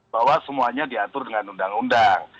bahwa semuanya diatur dengan undang undang